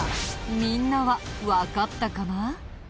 みんなはわかったかな？